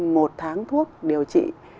một tháng thuốc điều trị